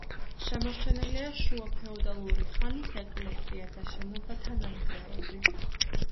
შემორჩენილია შუა ფეოდალური ხანის ეკლესია და შენობათა ნანგრევები.